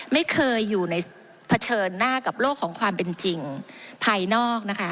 ไม่เคยอยู่ในเผชิญหน้ากับโลกของความเป็นจริงภายนอกนะคะ